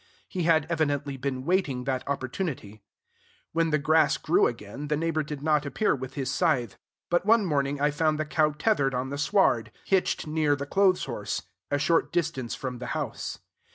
He had evidently been waiting that opportunity. When the grass grew again, the neighbor did not appear with his scythe; but one morning I found the cow tethered on the sward, hitched near the clothes horse, a short distance from the house.